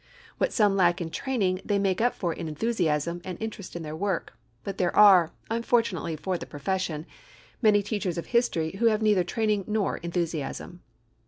What some lack in training they make up for in enthusiasm and interest in their work, but there are, unfortunately for the profession, many teachers of history who have neither training nor enthusiasm.